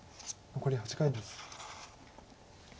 残り８回です。